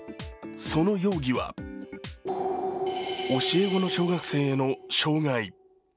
その容疑は教え子の小学生への傷害。